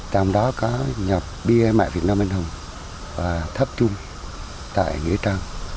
trong đó có nhập bia mẹ việt nam anh hùng và thấp chung tại nghĩa trang